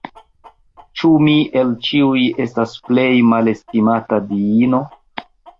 Ĉu mi el ĉiuj estas plej malestimata diino?